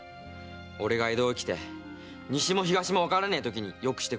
俺が江戸へ来て西も東もわからねえときによくしてくれた人なんだ。